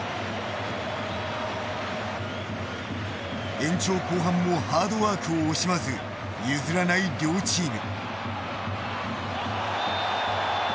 延長後半もハードワークを惜しまず譲らない両チーム。